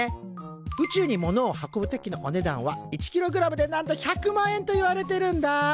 宇宙にものを運ぶ時のお値段は１ｋｇでなんと１００万円といわれてるんだ。